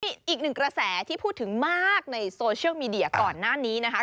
มีอีกหนึ่งกระแสที่พูดถึงมากในโซเชียลมีเดียก่อนหน้านี้นะคะ